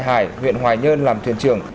hải huyện hoài nhơn làm thuyền trưởng